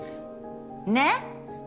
ねっ。